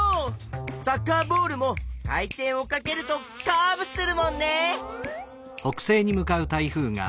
サッカーボールも回転をかけるとカーブするもんね。